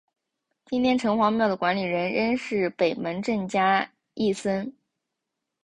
今天城隍庙的管理人仍是北门郑家裔孙。